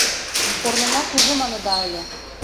Корнына кужу маныда ыле, -